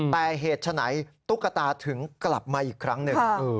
แต่เหตุฉะไหนตุ๊กตาถึงกลับมาอีกครั้งหนึ่ง